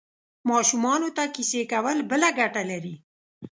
ماشومانو ته کیسې کول بله ګټه لري.